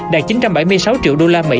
đạt chín trăm bảy mươi sáu triệu đô la mỹ